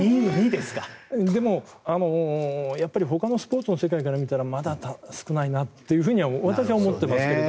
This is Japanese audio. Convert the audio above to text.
でも、ほかのスポーツの世界から見たらまだ少ないなとは私は思ってますけど。